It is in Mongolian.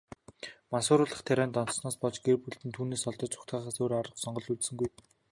Мансууруулах тарианд донтсоноос болж, гэр бүлд нь түүнээс холдож, зугтаахаас өөр сонголт үлдсэнгүй.